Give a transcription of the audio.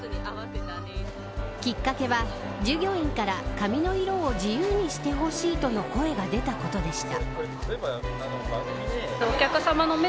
きっかけは、従業員から髪の色を自由にしてほしいとの声が出たことでした。